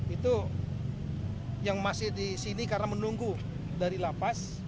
itu yang masih di sini karena menunggu dari lapas